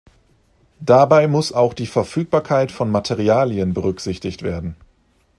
Dabei muss auch die Verfügbarkeit von Materialien berücksichtigt werden.